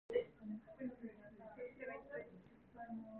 그는 걷잡을 수 없는 질투의 감정이 욱 쓸어 일어난다.